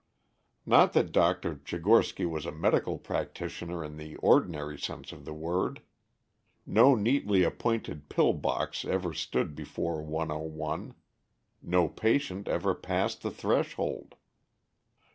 Not that Dr. Tchigorsky was a medical practitioner in the ordinary sense of the word. No neatly appointed "pillbox" ever stood before 101; no patient ever passed the threshold.